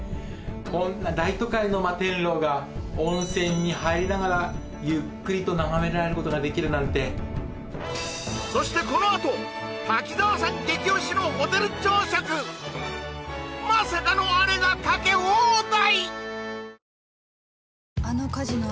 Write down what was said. こんな大都会の摩天楼が温泉に入りながらゆっくりと眺められることができるなんてそしてこのあとまさかのアレがかけ放題！